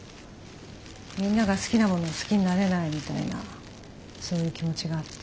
みんなが好きなもの好きになれないみたいなそういう気持ちがあって。